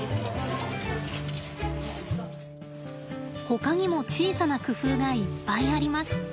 ほかにも小さな工夫がいっぱいあります。